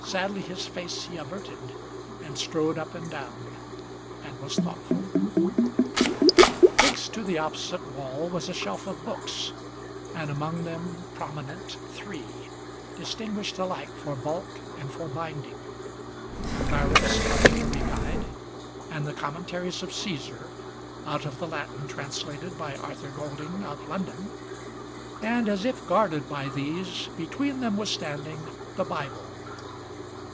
Sadly his face he averted, and strode up and down, and was thoughtful. Fixed to the opposite wall was a shelf of books, and among them Prominent three, distinguished alike for bulk and for binding; Bariffe's Artillery Guide, and the Commentaries of Caesar, Out of the Latin translated by Arthur Goldinge of London, And, as if guarded by these, between them was standing the Bible.